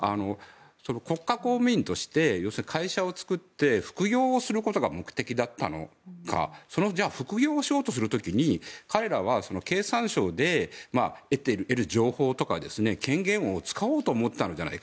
国家公務員として会社を作って副業をすることが目的だったのかその副業をしようとする時に彼らは経産省で得る情報とか権限を使おうと思ったんじゃないか。